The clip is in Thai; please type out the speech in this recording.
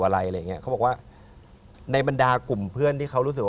เราพลังเยอะที่สุด